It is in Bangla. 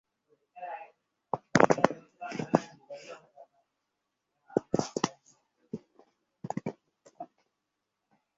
আয়েশ করা ভুঁড়িতে তার চর্বি পড়ে গলেঅর্ডার দিলেই রংবেরঙের মুরগি আসে চলে।